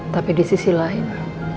tapi di sisi lain